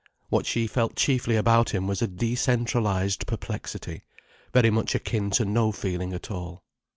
What she felt chiefly about him was a decentralized perplexity, very much akin to no feeling at all.